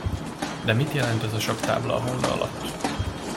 De mit jelent az a sakktábla a hóna alatt?